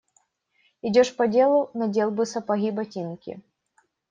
Идешь по делу – надел бы сапоги, ботинки.